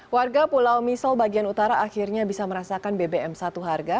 warga pulau misol bagian utara akhirnya bisa merasakan bbm satu harga